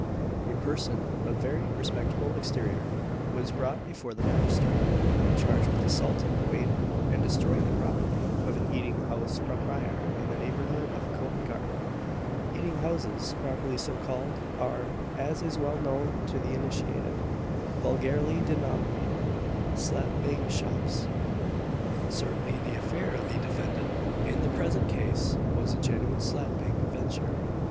A person of very respectable exterior was brought before the magistrate, charged with assaulting the waiter, and destroying the property, of an eating house proprietor in the neighbourhood of Covent garden. Eating houses, properly so called, are, as is well known to the initiated, vulgarly denominated "slap bang shops;" and certainly the affair of the defendant, in the present case, was a genuine slap bang adventure.